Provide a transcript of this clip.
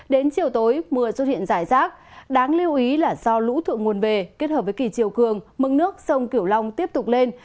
đến chiều tối mưa xuất hiện rải rác đáng lưu ý là do lũ thượng nguồn về kết hợp với kỳ chiều cường mừng nước sông kiểu long tiếp tục lên